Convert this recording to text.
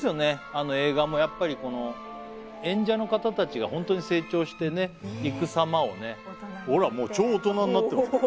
あの映画もやっぱり演者の方達がホントに成長してねいく様をね大人になってほら